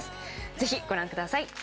ぜひご覧ください。